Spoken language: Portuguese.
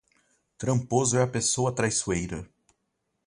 Tramposo é a pessoa traiçoeira